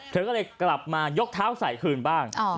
เธอก็เลยกลับมายกเท้าใส่คืนบ้าง